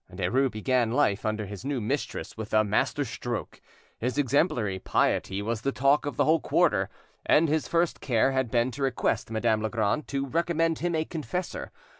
Derues began life under his new mistress with a master stroke. His exemplary piety was the talk of the whole quarter, and his first care had been to request Madame Legrand to recommend him a confessor.